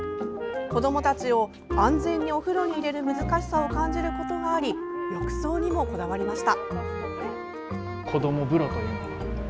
子どもたちを安全にお風呂に入れる難しさを感じることがあり浴槽にもこだわりました。